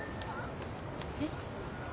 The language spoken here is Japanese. えっ。